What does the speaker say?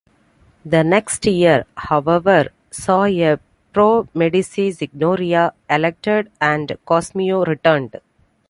The next year, however, saw a pro-Medici Signoria elected and Cosimo returned.